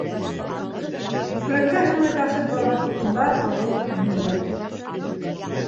Күкрәккә һыймай ташып барған тулҡындар ауыр көрһөндөрә.